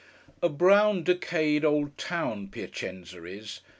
A brown, decayed, old town, Piacenza is.